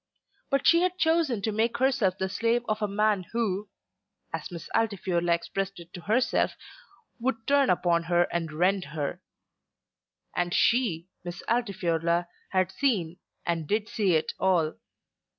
But she had chosen to make herself the slave of a man who, as Miss Altifiorla expressed it to herself, "would turn upon her and rend her." And she, Miss Altifiorla, had seen and did see it all.